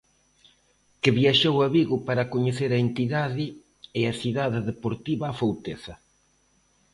Que viaxou a Vigo para coñecer a entidade e a Cidade Deportiva Afouteza.